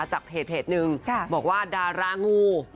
จากเพจนึงบอกว่าดารางู